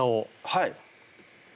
はい。